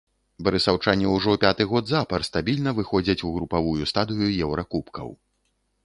Барысаўчане ўжо пяты год запар стабільна выходзяць у групавую стадыю еўракубкаў.